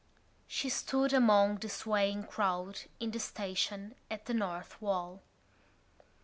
She stood among the swaying crowd in the station at the North Wall.